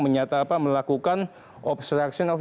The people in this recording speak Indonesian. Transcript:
menyata apa melakukan obstruction of